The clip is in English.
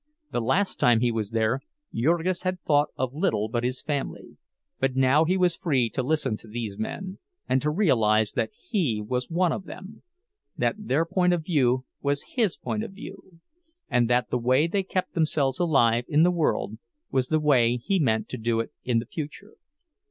The last time he was there, Jurgis had thought of little but his family; but now he was free to listen to these men, and to realize that he was one of them—that their point of view was his point of view, and that the way they kept themselves alive in the world was the way he meant to do it in the future.